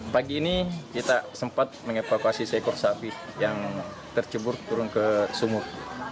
pagi ini kita sempat mengevakuasi seekor sapi yang tercebur turun ke sumur